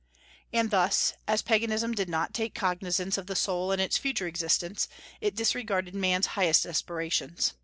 And thus, as Paganism did not take cognizance of the soul in its future existence, it disregarded man's highest aspirations.